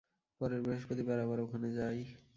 পরের বৃহস্পতিবার আবার ওখানে যাই।